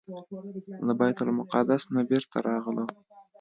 له بیت المقدس نه بیرته راغلو.